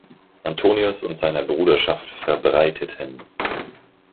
Antonius und seiner Bruderschaft verbreiteten.